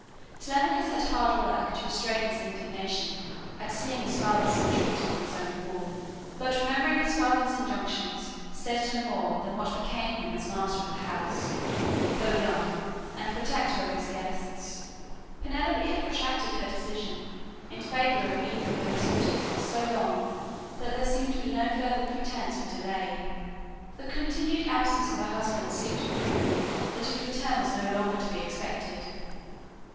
Telemachus had hard work to restrain his indignation at seeing his father so treated in his own hall, but remembering his father's injunctions, said no more than what became him as master of the house, though young, and protector of his guests. Penelope had protracted her decision in favor of either of her suitors so long that there seemed to be no further pretence for delay. The continued absence of her husband seemed to prove that his return was no longer to be expected.